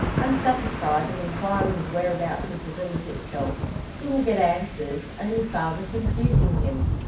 Unsatisfied, and inquiring the whereabouts of the village itself, he will get answers, only farther confusing him.